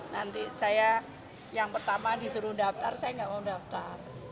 nanti saya yang pertama disuruh daftar saya nggak mau daftar